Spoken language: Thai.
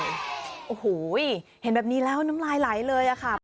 โอ้โหเห็นแบบนี้แล้วน้ำลายไหลเลยอะค่ะ